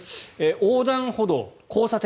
横断歩道、交差点